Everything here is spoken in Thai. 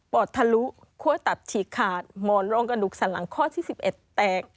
อดทะลุคั่วตับฉีกขาดหมอนรองกระดูกสันหลังข้อที่๑๑แตก